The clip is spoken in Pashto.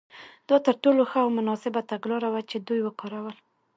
دا تر ټولو ښه او مناسبه تګلاره وه چې دوی وکارول.